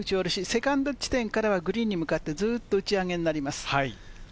セカンド地点からはグリーンに向かってずっと打ち上げになります。